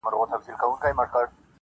• داسي ټکه یې پر کور وه را لوېدلې -